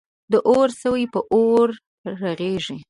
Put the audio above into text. د اور سوی په اور رغیږی.